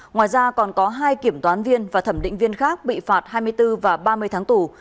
ngoài ra còn có hai kiểm toán viên và thẩm định viên khác bị phạt hai mươi bốn và ba mươi tháng tù